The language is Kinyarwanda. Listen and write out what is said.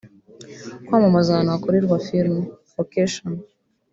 kwamamaza ahantu hakorerwa filime (locations)